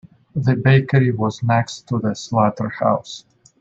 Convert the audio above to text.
The bakery was next to the slaughterhouse.